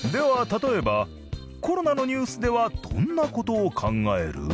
例えばコロナのニュースではどんな事を考える？